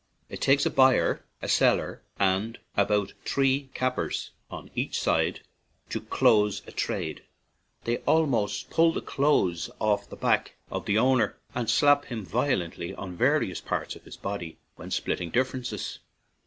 It takes a buyer, a seller, and about three " cappers" on each side to close a trade; they almost pull the clothes off the back of the owner, and slap him violently on various parts of his body when " splitting differences."